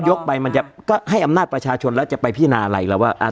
ก็ยกไปมันจะให้อำนาจประชาชนแล้วจะไปพินาอะไรอีกแล้วว่า